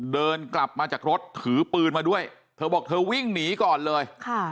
เดินกลับมาจากรถถือปืนมาด้วยเธอบอกเธอวิ่งหนีก่อนเลย